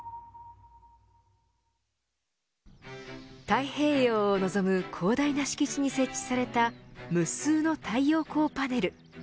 太平洋を望む広大な敷地に設置された無数の太陽光パネル。